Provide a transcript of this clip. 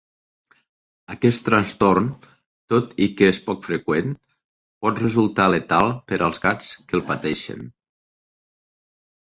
Aquest trastorn, tot i que poc freqüent, pot resultar letal per als gats que el pateixen.